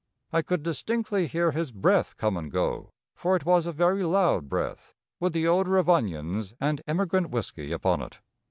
I could distinctly hear his breath come and go, for it was a very loud breath, with the odor of onions and emigrant whisky upon it.